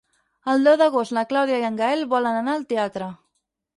El deu d'agost na Clàudia i en Gaël volen anar al teatre.